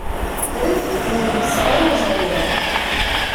What if the flame sputters a little!